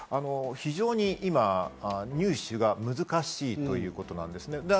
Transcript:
非常に今、入手が難しいということなんです。